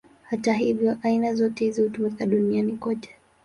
Hata hivyo, aina zote hizi hutumika duniani kote.